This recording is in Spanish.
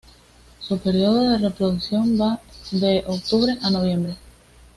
Su período de reproducción va de octubre a noviembre.